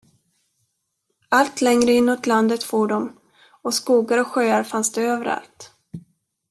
Allt längre inåt landet for de, och skogar och sjöar fanns det överallt.